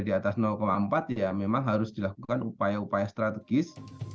di atas empat ya memang harus dilakukan upaya upaya strategis